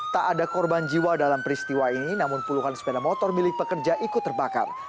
tak ada korban jiwa dalam peristiwa ini namun puluhan sepeda motor milik pekerja ikut terbakar